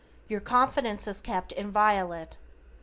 Your confidence is kept inviolate.